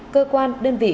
cơ quan đơn vị